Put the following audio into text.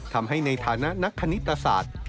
ทำให้ในฐานะนักคณิตศาสตร์